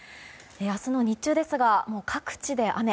明日の日中ですが各地で雨。